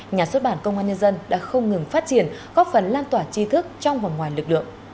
nhà xuất bản công an nhân dân đã không ngừng phát triển góp phần lan tỏa chi thức trong và ngoài lực lượng